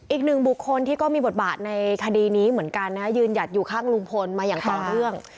อีกหนึ่งบุคคลที่ก็มีบทบาทในคดีนี้เหมือนกันนะยืนหยัดอยู่ข้างลุงพลมาอย่างต่อเนื่อง